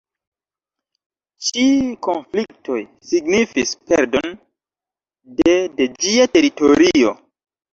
Ĉi konfliktoj signifis perdon de de ĝia teritorio.